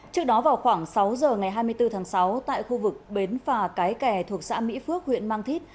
trước đó vào khoảng sáu giờ ngày hai mươi bốn tháng sáu tại khu vực bến phà cái kè thuộc xã mỹ phước huyện mang thít